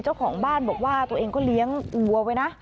เจ้าของบ้านบอกว่าตัวเองก็เลี้ยงวัวไว้นะ